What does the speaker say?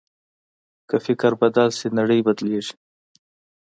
که فکر بدل شي، نړۍ بدلېږي.